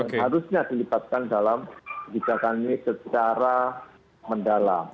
harusnya dilibatkan dalam kebijakan ini secara mendalam